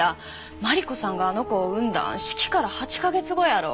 真理子さんがあの子を産んだん式から８カ月後やろ。